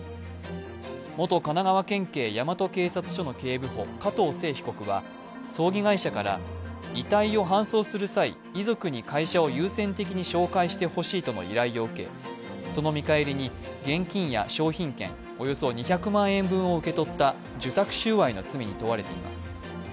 元神奈川県警大和警察署の警部補加藤聖被告は、遺体を搬送する際、遺族に会社を優先的に紹介してほしいとの依頼を受け、その見返りに現金や商品券およそ２００万円分を受け取った受託収賄の罪に問われています。